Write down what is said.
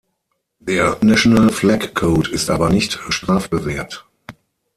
Der National Flag Code ist aber nicht strafbewehrt.